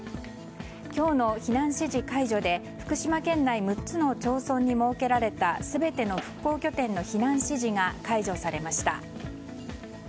今日の避難指示解除で福島県内６つの町村に設けられた全ての復興拠点の避難指示が解除されました。